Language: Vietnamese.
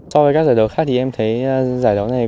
so với các giải đấu khác thì em thấy giải đấu này